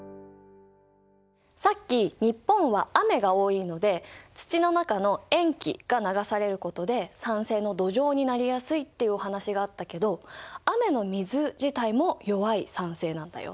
さっき日本は雨が多いので土の中の塩基が流されることで酸性の土壌になりやすいっていうお話があったけど雨の水自体も弱い酸性なんだよ。